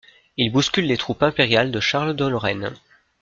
Il bouscule les troupes impériale de Charles de Lorraine.